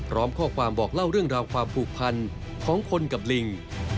พร้อมข้อความบอกเล่าเรื่องราวความผูกพันของคนกับลิง